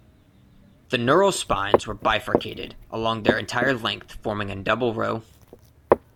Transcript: The neural spines were bifurcated along their entire length, forming a double row.